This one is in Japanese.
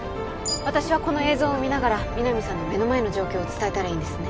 私はこの映像を見ながら皆実さんの目の前の状況を伝えたらいいんですね？